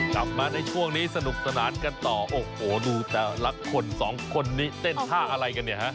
กลับมาในช่วงนี้สนุกสนานกันต่อโอ้โหดูแต่ละคนสองคนนี้เต้นท่าอะไรกันเนี่ยฮะ